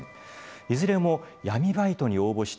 いずれも闇バイトに応募して」。